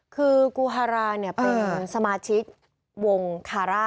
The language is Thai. คือกูฮาราเป็นสมาชิกวงคาร่า